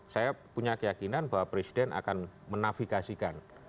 saya punya keyakinan bahwa presiden akan menafikasikan